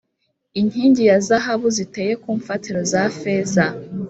inkingi za zahabu ziteye ku mfatiro za feza,